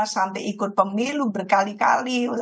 sampai ikut pemilu berkali kali